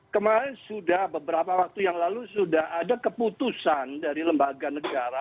kemarin sudah beberapa waktu yang lalu sudah ada keputusan dari lembaga negara